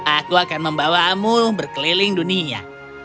aku akan membawamu berkeliling dunia